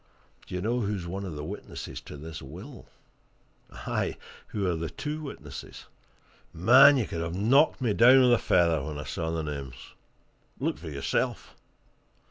"Do you know who's one of the witnesses to this will? Aye, who are the two witnesses? Man! you could have knocked me down with a feather when I saw the names! Look for yourself!"